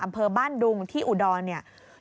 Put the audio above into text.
อำเภอบ้านดุงที่อุดรเนี่ย